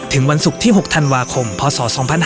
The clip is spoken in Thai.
วันศุกร์ที่๖ธันวาคมพศ๒๕๕๙